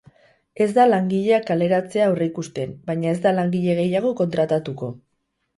Ez da langileak kaleratzea aurreikusten, baina ez da langile gehiago kontratatuko.